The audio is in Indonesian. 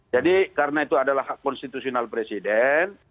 jadi karena itu adalah hak konstitusional presiden